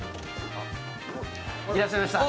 いらっしゃいました